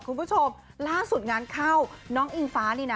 คุณผู้ชมล่าสุดงานเข้าน้องอิงฟ้านี่นะ